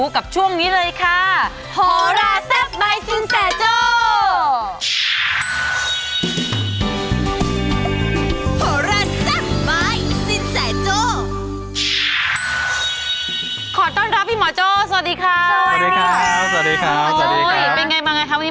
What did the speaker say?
และก็สังภาษณ์คู่รักคู่ใหม่ของวงการ